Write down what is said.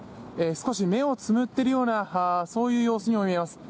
少し目をつぶっているようなそういう様子にも見えます。